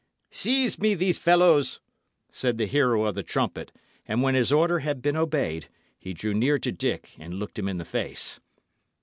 "Seize me these fellows!" said the hero of the trumpet; and when his order had been obeyed, he drew near to Dick and looked him in the face.